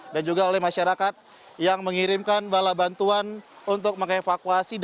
dan juga oleh masyarakat yang mengirimkan bala bantuan untuk mengevakuasi